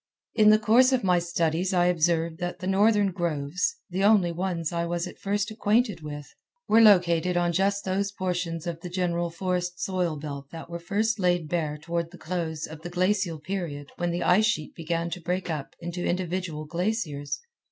In the course of my studies I observed that the northern groves, the only ones I was at first acquainted with, were located on just those portions of the general forest soil belt that were first laid bare toward the close of the glacial period when the ice sheet began to break up into individual glaciers.